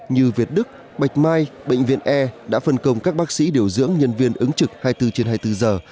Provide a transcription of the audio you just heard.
như việt đức bạch mai bệnh viện e đã phân công các bác sĩ điều dưỡng nhân viên ứng trực hai mươi bốn trên hai mươi bốn giờ